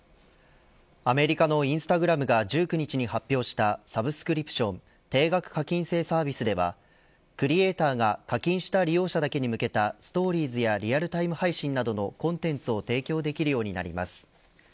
アメリカのインスタグラムが１９日に発表したサブスクリプション定額課金制サービスではクリエイターが課金した利用者だけに向けたストーリーズやリアルタイム配信などのコンテンツを提供できるようになります。